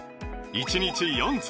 １日４粒！